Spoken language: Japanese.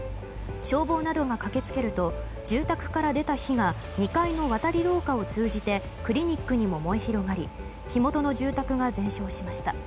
消防などが駆け付けると住宅から出た火が２階の渡り廊下を通じてクリニックにも燃え広がり火元の住宅が全焼しました。